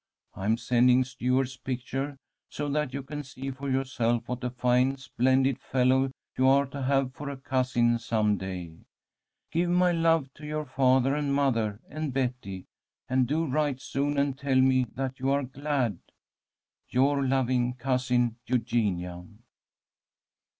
I am sending Stuart's picture, so that you can see for yourself what a fine, splendid fellow you are to have for a cousin some day. Give my love to your father and mother and Betty, and do write soon and tell me that you are glad. "'Your loving cousin, "'EUGENIA.'"